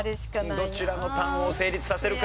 どちらの単語を成立させるか。